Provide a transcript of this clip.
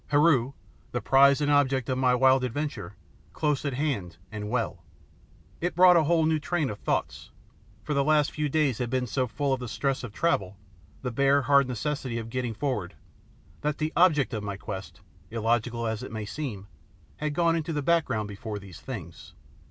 Heru, the prize and object of my wild adventure, close at hand and well. It brought a whole new train of thoughts, for the last few days had been so full of the stress of travel, the bare, hard necessity of getting forward, that the object of my quest, illogical as it may seem, had gone into the background before these things.